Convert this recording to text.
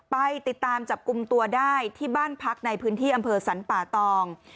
ไปติดตามจับกลุ่มตัวได้ที่บ้านพักในพื้นที่อำเภอสรรป่าตอง